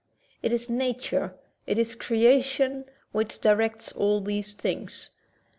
It is nature, it is creation, which directs all these things.